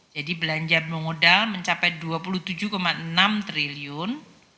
jadi belanja modal mencapai dua puluh tujuh enam triliun